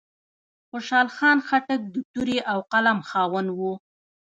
خوشحال خان خټک د تورې او قلم خاوند و.